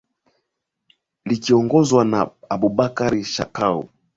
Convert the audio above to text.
likiongozwa na abubakar shakau